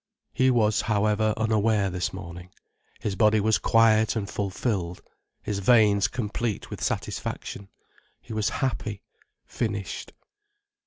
He was, however, unaware this morning. His body was quiet and fulfilled, his veins complete with satisfaction, he was happy, finished.